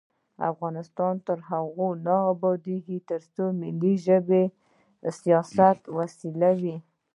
افغانستان تر هغو نه ابادیږي، ترڅو ملي ژبې د سیاست وسیله وي.